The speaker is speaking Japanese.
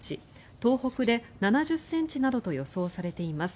東北で７０ｃｍなどと予想されています。